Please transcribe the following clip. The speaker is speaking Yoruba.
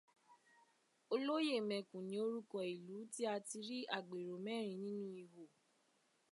Olóyèmẹkùn ni orúkọ ìlú tí a ti rí agbèrò mẹ́rin nínú ihò